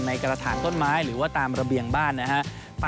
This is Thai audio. กระถางต้นไม้หรือว่าตามระเบียงบ้านนะฮะ